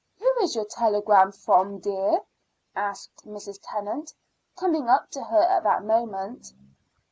"Whom is your telegram from, dear?" asked Mrs. Tennant, coming up to her at that moment.